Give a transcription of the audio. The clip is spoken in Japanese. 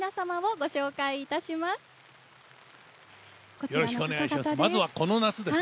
こちらの方々です。